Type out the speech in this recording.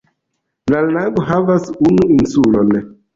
La lago havas unu insulon.